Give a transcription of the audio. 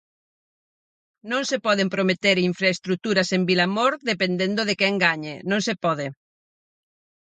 Non se poden prometer infraestruturas en Vilamor dependendo de quen gañe, non se pode.